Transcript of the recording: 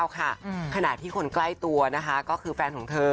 ขณะที่คนใกล้ตัวนะคะก็คือแฟนของเธอ